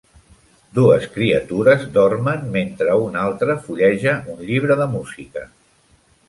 Dues criatures dormen mentre una altra fulleja un llibre de música.